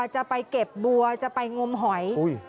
จะไปเก็บบัวจะไปงมหอย